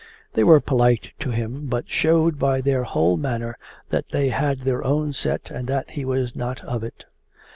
They were polite to him, but showed by their whole manner that they had their own set and that he was not of it.